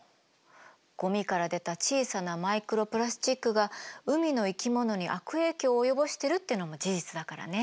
ゴミから出た小さなマイクロプラスチックが海の生き物に悪影響を及ぼしてるってのも事実だからね。